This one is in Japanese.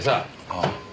ああ。